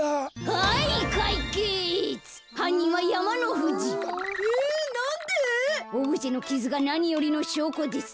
オブジェのキズがなによりのしょうこです。